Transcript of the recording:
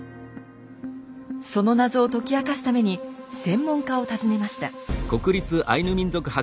その謎を解き明かすために専門家を訪ねました。